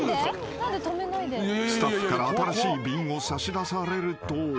［スタッフから新しい瓶を差し出されると］